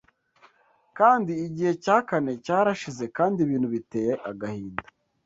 Kandi Igihe cya kane cyarashize Kandi ibintu biteye agahinda